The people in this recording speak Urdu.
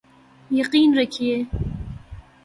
یقین رکھیے۔